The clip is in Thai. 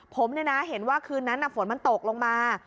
ผมเยี่ยมนะเห็นว่าคืนนั้นผลมันตกลงมา